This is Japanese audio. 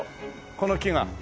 この木が。